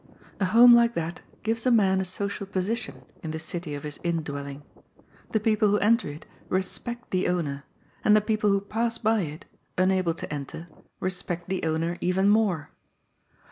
A home like that gives a man a social position in the city of his in dwelling. The people who enter it respect the owner, and the people who pass by it, unable to enter, respect the owner even more.